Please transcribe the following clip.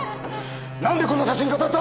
なんでこんな写真飾った！